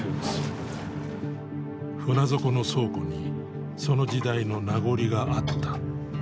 船底の倉庫にその時代の名残があった。